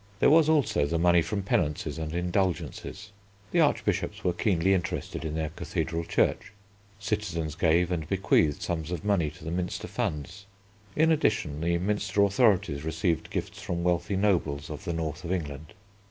There was, also, the money from penances and indulgences. The Archbishops were keenly interested in their cathedral church. Citizens gave and bequeathed sums of money to the Minster funds. In addition, the Minster authorities received gifts from wealthy nobles of the north of England.